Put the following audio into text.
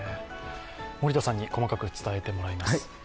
森田さんに細かく伝えてもらいます。